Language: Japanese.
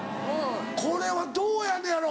これはどうやのやろ？